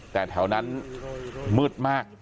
แต่แถวนั้นมืดมาก